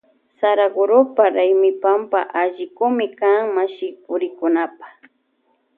Saragurupa raymipampa allikumi kan mashipurikkunapa.